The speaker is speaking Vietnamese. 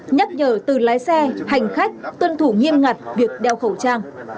nhắc nhở từ lái xe hành khách tuân thủ nghiêm ngặt việc đeo khẩu trang